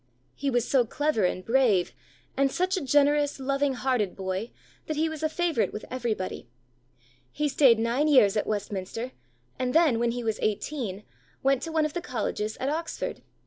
He was so clever and brave, and such a generous, loving hearted boy, that he was a favourite with everybody. He stayed nine years at Westminster, and then, when he was eighteen, went to one of the colleges at Oxford.